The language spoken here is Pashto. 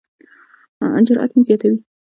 جرات مې زیاتوي.